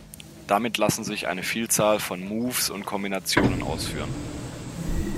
Damit lassen sich eine Vielzahl von „Moves“ und Kombinationen ausführen.